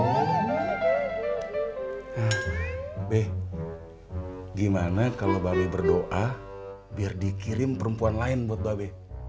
beh gimana kalau babe berdoa biar dikirim perempuan lain buat babe